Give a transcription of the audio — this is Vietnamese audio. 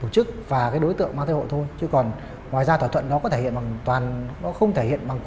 của đối tượng trần thị ba